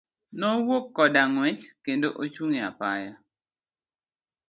Nowuok koda ng'uech kendo ochung' e apaya.